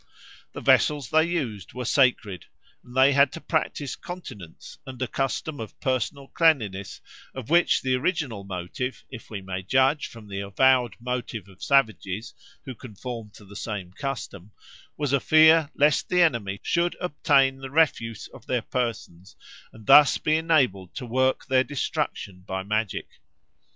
The vessels they used were sacred, and they had to practise continence and a custom of personal cleanliness of which the original motive, if we may judge from the avowed motive of savages who conform to the same custom, was a fear lest the enemy should obtain the refuse of their persons, and thus be enabled to work their destruction by magic.